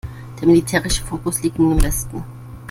Der militärische Fokus liegt nun im Westen.